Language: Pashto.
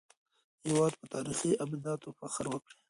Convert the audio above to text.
د هېواد په تاريخي ابداتو فخر وکړئ.